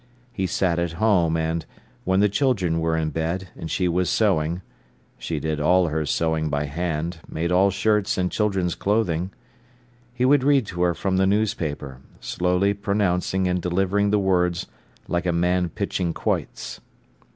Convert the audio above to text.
He sat at home and, when the children were in bed, and she was sewing—she did all her sewing by hand, made all shirts and children's clothing—he would read to her from the newspaper, slowly pronouncing and delivering the words like a man pitching quoits.